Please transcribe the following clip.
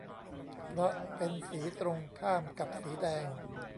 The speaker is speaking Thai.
เพราะเป็นสีตรงข้ามกับสีแดง